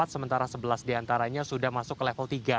sementara sebelas diantaranya sudah masuk ke level tiga